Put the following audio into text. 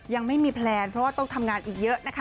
ยังไม่มีแพลนเพราะว่าต้องทำงานอีกเยอะนะคะ